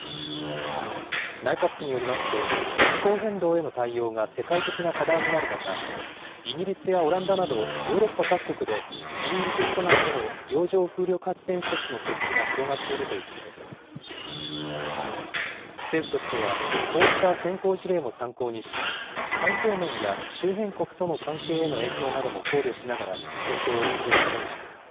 内閣府によりますと、気候変動への対応が世界的な課題になる中、イギリスやオランダなどヨーロッパ各国で、ＥＥＺ内への洋上風力発電施設の設置が広がっているということです。